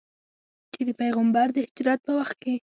چې د پیغمبر د هجرت په وخت کې.